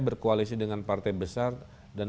berkoalisi dengan partai besar dan